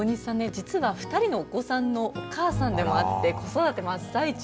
実は２人のお子さんのお母さんでもあって子育て真っ最中。